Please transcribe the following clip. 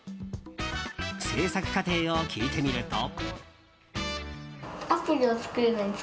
制作過程を聞いてみると。